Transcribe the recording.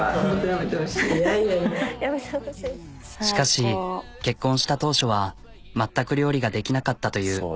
しかし結婚した当初は全く料理ができなかったという。